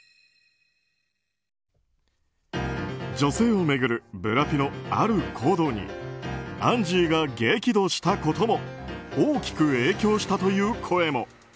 女性を巡るブラピのある行動にアンジーが激怒したことも大きく影響したという声も。